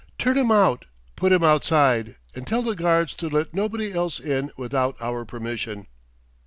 Turn him out put him outside, and tell the guards to let nobody else in without our permission!"